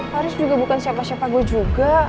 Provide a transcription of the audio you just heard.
harus juga bukan siapa siapa gue juga